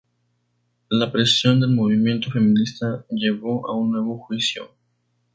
La presión del movimiento feminista llevó a un nuevo juicio.